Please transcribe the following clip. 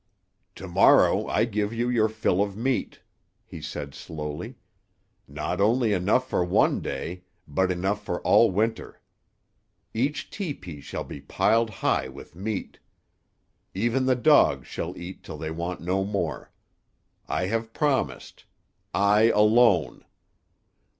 "To morrow I give you your fill of meat," he said slowly. "Not only enough for one day, but enough for all Winter. Each tepee shall be piled high with meat. Even the dogs shall eat till they want no more. I have promised. I alone.